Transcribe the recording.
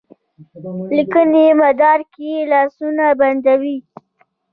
لیکلي مدارک یې لاسونه بندوي.